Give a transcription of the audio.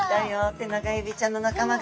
テナガエビちゃんの仲間が！